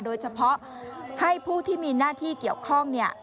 โดยเฉพาะให้ผู้ที่มีหน้าที่เกี่ยวข้องเนี่ย